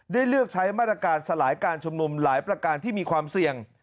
เลือกใช้มาตรการสลายการชุมนุมหลายประการที่มีความเสี่ยง